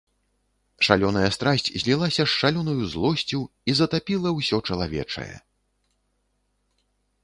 Шалёная страсць злілася з шалёнаю злосцю і затапіла ўсё чалавечае.